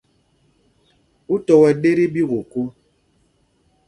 Ú tɔ wɛ́ ɗēk tí ɓīkōkō?